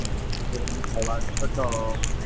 এক ভাই দুই বোনের মধ্যে তিনি ছিলেন সবার ছোট।